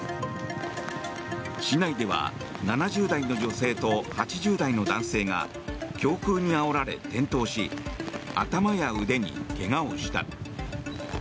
市内では７０代の女性と８０代の男性が強風にあおられ転倒し頭や腕に怪我をした。